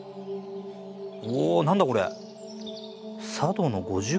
うお何だこれ？